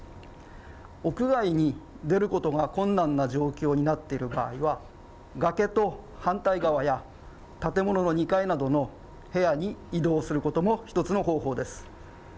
屋外に出ることが困難な状況になっている場合は、崖と反対側や建物の２階などの部屋に移動することも１つの方法です。